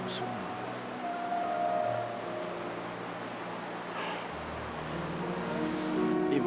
tolong serahkan kepada kakak wijayamu